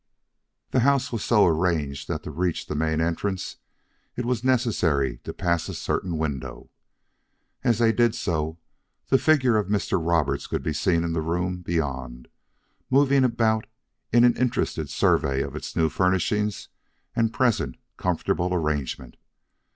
The house was so arranged that to reach the main entrance it was necessary to pass a certain window. As they did so, the figure of Mr. Roberts could be seen in the room beyond moving about in an interested survey of its new furnishings and present comfortable arrangement.